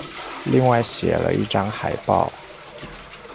另外寫了一張海報